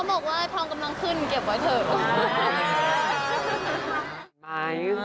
บอกว่าทองกำลังขึ้นเก็บไว้เถอะ